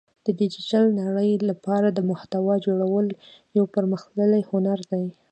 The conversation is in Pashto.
د ډیجیټل نړۍ لپاره د محتوا جوړول یو پرمختللی هنر دی